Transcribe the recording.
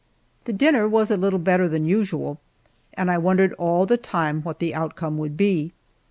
The dinner was a little better than usual, and I wondered all the time what the outcome would be.